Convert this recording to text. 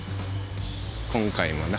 今回もな。